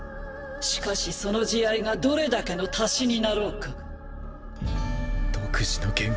しかしその慈愛がどれだけの足しになろうか。